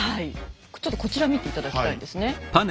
ちょっとこちら見て頂きたいんですね。